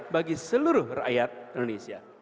bagi seluruh rakyat indonesia